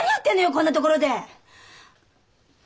こんなところで！